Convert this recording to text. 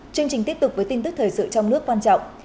chương trình tiếp tục với tin tức thời sự trong nước quan trọng